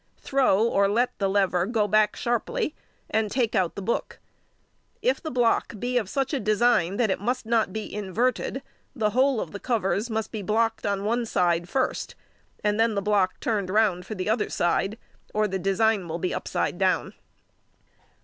Throw or let the lever go back sharply, and take out the book. If the block be of such a design that it must not be inverted, the whole of the covers must be blocked on one side first, and the block turned round for the other side, or the design will be upside down.